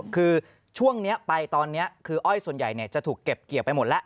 คือช่วงนี้ไปตอนนี้คืออ้อยส่วนใหญ่จะถูกเก็บเกี่ยวไปหมดแล้ว